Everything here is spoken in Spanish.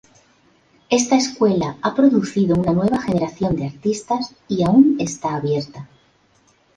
Esta escuela a producido una nueva generación de artistas y aún está abierta.